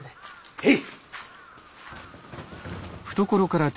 へい！